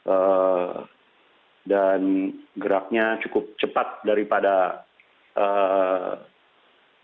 eh dan geraknya cukup cepat daripada eh